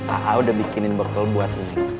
a'a udah bikinin buckle buat neng